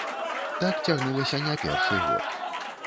Так цягнулася не першы год.